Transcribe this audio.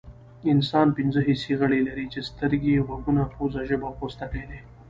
انسان پنځه حسي غړي لري چې سترګې غوږونه پوزه ژبه او پوستکی دي